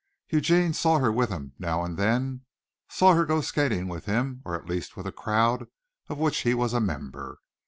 Eugene saw her with him now and then, saw her go skating with him, or at least with a crowd of which he was a member.